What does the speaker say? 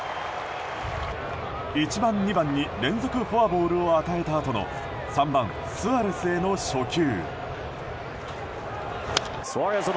１番、２番に連続フォアボールを与えたあとの３番スアレスへの初球。